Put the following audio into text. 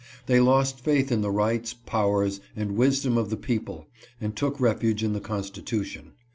They lost faith in the rights, powers, and wisdom of the people and took refuge in the Constitution.